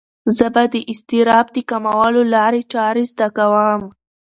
زه به د اضطراب د کمولو لارې چارې زده کړم.